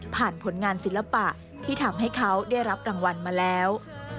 ผลงานศิลปะที่ทำให้เขาได้รับรางวัลมาแล้ว